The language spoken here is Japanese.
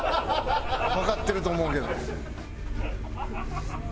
わかってると思うけど。